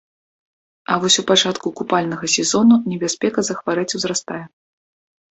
А вось у пачатку купальнага сезону небяспека захварэць узрастае.